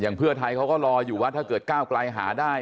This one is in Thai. เพื่อไทยเขาก็รออยู่ว่าถ้าเกิดก้าวไกลหาได้